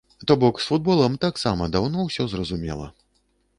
То бок з футболам таксама даўно ўсё зразумела.